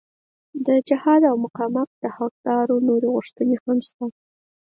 د جهاد او مقاومت د حقدارو نورې غوښتنې هم شته.